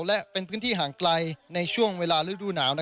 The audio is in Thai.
และเป็นพื้นที่ห่างไกลในช่วงเวลาฤดูหนาว